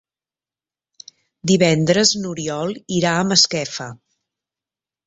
Divendres n'Oriol irà a Masquefa.